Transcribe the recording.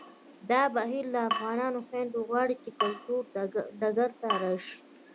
دا بهیر له افغانو خویندو غواړي چې کلتوري ډګر ته راشي